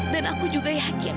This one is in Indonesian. dan aku juga yakin